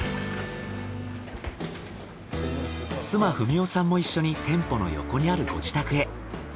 妻二三代さんも一緒に店舗の横にあるご自宅へ。